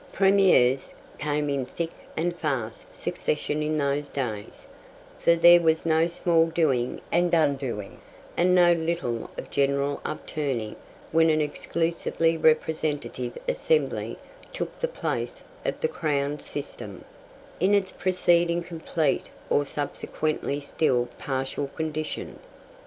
Premiers came in thick and fast succession in those days, for there was no small doing and undoing, and no little of general upturning when an exclusively representative Assembly took the place of the "Crown" system, in its preceding complete or subsequently still partial condition.